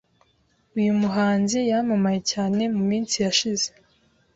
Uyu muhanzi yamamaye cyane mu minsi yashize